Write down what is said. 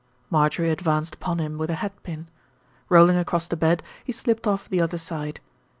Marjorie advanced upon him with a hatpin. Rolling across the bed, he slipped off the other side.